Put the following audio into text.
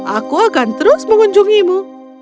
aku akan terus mengunjungimu